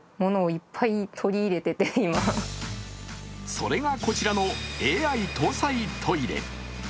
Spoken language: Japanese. それがこちらのＡＩ搭載トイレ。